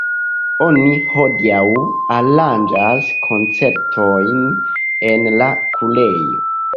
Oni hodiaŭ aranĝas koncertojn en la kurejo.